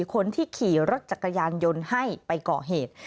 คนที่ขี่รถจักรยานยนต์ให้ไปก่อเหตุ